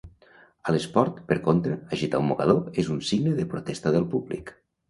A l'esport, per contra, agitar un mocador és un signe de protesta del públic.